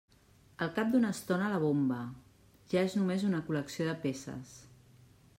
Al cap d'una estona la bomba, ja és només una col·lecció de peces.